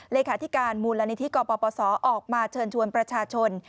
เหลศาสตร์ที่การมูลนิทธิกอปปออกมาเชิญชวนประชาชน